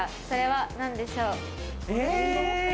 それはなんでしょう？